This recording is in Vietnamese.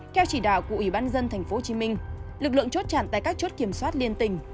kêu chỉ đạo của ủy ban dân thành phố hồ chí minh lực lượng chốt trản tại các chốt kiểm soát liên tình